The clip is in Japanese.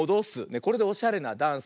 これでおしゃれなダンスだよ。